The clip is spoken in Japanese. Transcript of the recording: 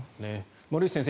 森内先生